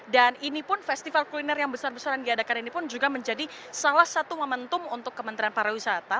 dan ini pun festival kuliner yang besar besaran diadakan ini pun juga menjadi salah satu momentum untuk kementerian pariwisata